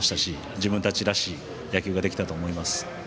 自分たちらしい野球ができたと思います。